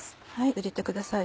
入れてください